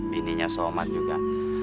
bininya somat juga